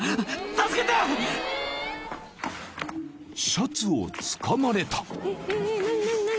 ［シャツをつかまれた］